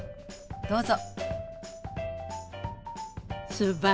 どうぞ。